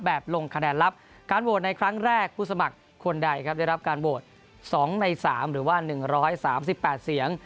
ลงคะแนนลับการโหวตในครั้งแรกผู้สมัครคนใดครับได้รับการโหวต๒ใน๓หรือว่า๑๓๘เสียง